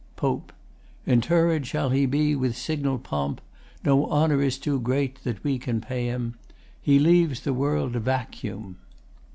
POPE Interred shall he be with signal pomp. No honour is too great that we can pay him. He leaves the world a vacuum.